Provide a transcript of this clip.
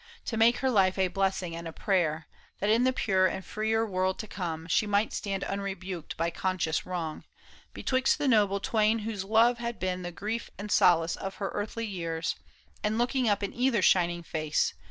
To make her life a blessing and a prayer, That in the pure and freer world to come. She might stand unrebnked by conscious wrong. Betwixt the noble twain whose love had been The grief and solace of her earthly yeais, And looking up in either shining face.